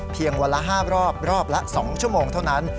เพียงวันละ๕รอบรอบละ๒ชั่วโมงเท่านั้น